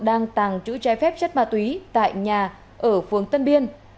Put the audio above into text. đang tàng trữ trái phép chất ma túy tại nhà ở phường tân biên